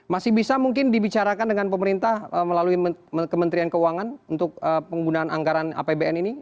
masih bisa mungkin dibicarakan dengan pemerintah melalui kementerian keuangan untuk penggunaan anggaran apbn ini